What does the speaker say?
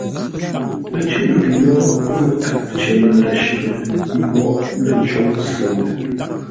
Pə́ cʉ́ʼ ngʉ yórə́ pə́ məkap cər məndə̂ shʉ̌ŋ; ə́ mbóghʼ lə̂ ncôŋ sʉ ndə̂.